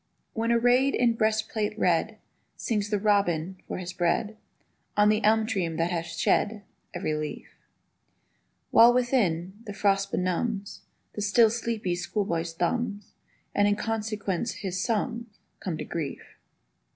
When arrayed in breastplate red Sings the robin, for his bread, On the elmtree that hath shed Every leaf; While, within, the frost benumbs The still sleepy schoolboy's thumbs, And in consequence his sums Come to grief.